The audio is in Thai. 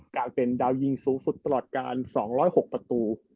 กลายเป็นดาวยิงสูงสุดตลอดการ๒๐๖ประตู